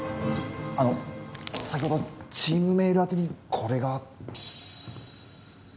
あの先ほどチームメール宛てにこれが。